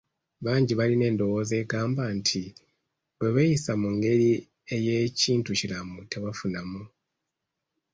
Bangi balina endowooza egamba nti, bwe beeyisa mu ngeri ey'ekintu kiramu tebafunamu.